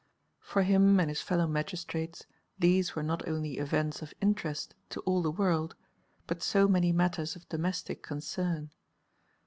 For him and his fellow magistrates these were not only events of interest to all the world, but so many matters of domestic concern.